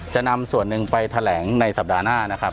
จะนำส่วนหนึ่งไปแถลงในสัปดาห์หน้านะครับ